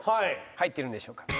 入ってるんでしょうか？